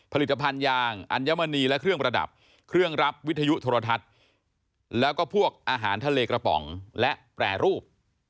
ผลิตภัณฑ์ยางอัญมณีและเครื่องประดับเครื่องรับวิทยุโทรทัศน์แล้วก็พวกอาหารทะเลกระป๋องและแปรรูป